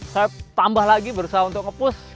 saya tambah lagi berusaha untuk ngepus